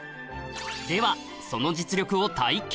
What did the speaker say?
ではその実力を体験